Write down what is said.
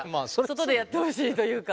外でやってほしいというか。